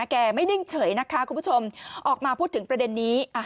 แกไม่นิ่งเฉยนะคะคุณผู้ชมออกมาพูดถึงประเด็นนี้